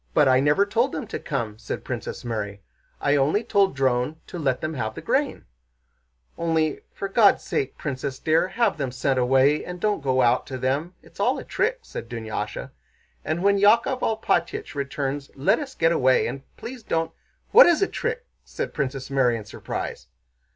"But I never told them to come," said Princess Mary. "I only told Dron to let them have the grain." "Only, for God's sake, Princess dear, have them sent away and don't go out to them. It's all a trick," said Dunyásha, "and when Yákov Alpátych returns let us get away... and please don't..." "What is a trick?" asked Princess Mary in surprise.